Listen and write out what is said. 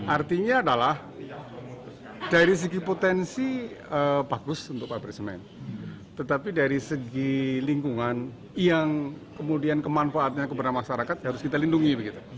artinya adalah dari segi potensi bagus untuk pabrik semen tetapi dari segi lingkungan yang kemudian kemanfaatnya kepada masyarakat harus kita lindungi